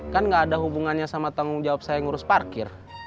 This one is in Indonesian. kan gak ada hubungannya sama tanggung jawab saya ngurus parkir